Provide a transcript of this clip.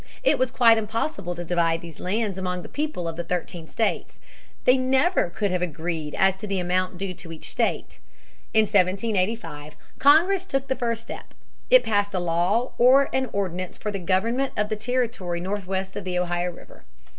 It was quite impossible to divide these lands among the people of the thirteen states. They never could have agreed as to the amount due to each state. In 1785 Congress took the first step. It passed a law or an ordinance for the government of the Territory Northwest of the Ohio River.